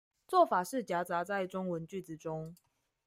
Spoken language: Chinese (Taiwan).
做法是夾雜在中文句子中